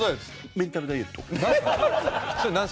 メンタルダイエット？